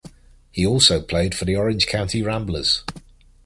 He also played for the Orange County Ramblers.